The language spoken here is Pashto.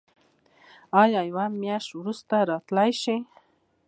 ایا یوه میاشت وروسته راتلی شئ؟